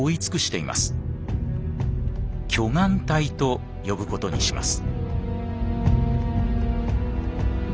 「巨岩帯」と呼ぶことにします。